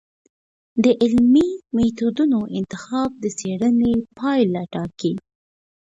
د علمي میتودونو انتخاب د څېړنې پایله ټاکي.